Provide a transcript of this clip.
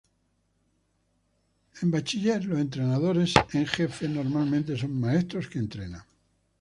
En high school, los entrenadores en jefe normalmente son maestros que entrenan.